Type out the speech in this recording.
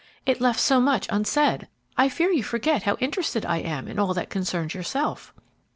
It left so much unsaid. I fear you forget how interested I am in all that concerns yourself."